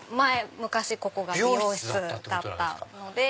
昔ここが美容室だったので。